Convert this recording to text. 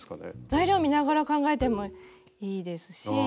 材料見ながら考えてもいいですし。